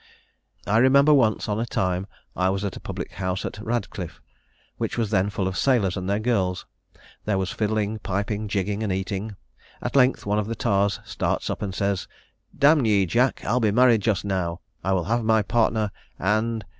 "I remember once on a time, I was at a public house at Radcliff, which then was full of sailors and their girls; there was fiddling, piping, jigging, and eating: at length, one of the tars starts up, and says, 'D n ye, Jack, I'll be married just now; I will have my partner, and....'